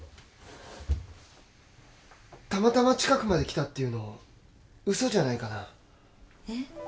たまたま近くまで来たっていうの嘘じゃないかなえっ？